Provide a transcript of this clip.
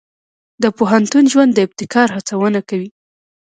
د پوهنتون ژوند د ابتکار هڅونه کوي.